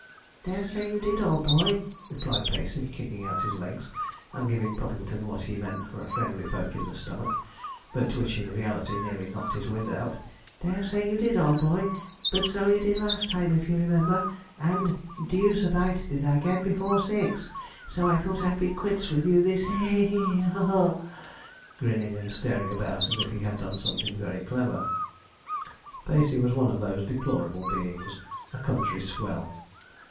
'Dare say you did, old boy,' replied Pacey, kicking out his legs, and giving Puffington what he meant for a friendly poke in the stomach, but which in reality nearly knocked his wind out; 'dare say you did, old boy, but so you did last time, if you remember, and deuce a bite did I get before six; so I thought I'd be quits with you this he he he haw haw haw,' grinning and staring about as if he had done something very clever. [Illustration: MR. PACEY] Pacey was one of those deplorable beings a country swell.